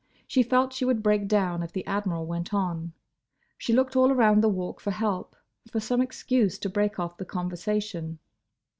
She felt she would break down if the Admiral went on. She looked all around the Walk for help; for some excuse to break off the conversation.